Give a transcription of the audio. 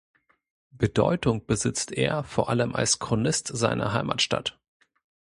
Bedeutung besitzt er vor allem als Chronist seiner Heimatstadt.